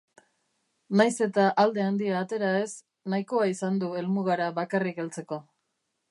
Nahiz eta alde handia atera ez nahikoa izan du helmugara bakarrik heltzeko.